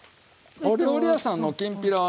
お料理屋さんのきんぴらはね